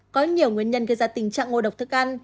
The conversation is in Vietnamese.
có nhiều nguyên nhân gây ra tình trạng ngộ độc thức ăn